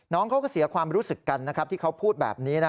น้องเขาก็เสียความรู้สึกกันนะครับที่เขาพูดแบบนี้